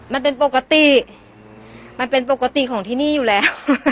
มันเป็นปกติมันเป็นปกติของที่นี่อยู่แล้ว